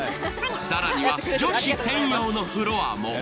更には女子専用のフロアも。